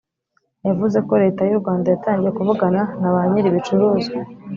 yavuze ko leta y’u rwanda yatangiye kuvugana na ba nyiri ibicuruzwa